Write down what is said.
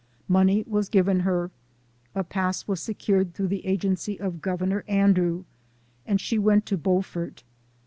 Money was given her, a pass was secured through the agency of Governor Andrew, and she went to Beau fort.